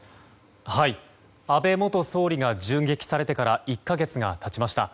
安倍元総理が銃撃されてから１か月が経ちました。